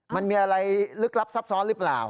มันมีอะไรลึกลับซับซ้อนหรือเปล่า